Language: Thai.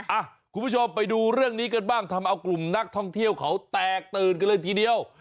คุณผู้ชมไปดูเรื่องนี้กันบ้างทำเอากลุ่มนักท่องเที่ยวเขาแตกตื่นกันเลยทีเดียว